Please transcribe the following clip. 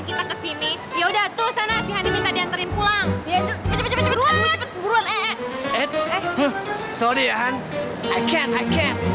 kenapa sih gue tuh terlahir sebagai perempuan yang kegeran